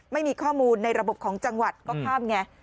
ไม่มีข้อมูลในระบบของจังหวัดก็ข้ามไง